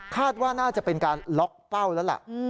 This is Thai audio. คาดว่าน่าจะเป็นการล็อกเป้าแล้วแหละ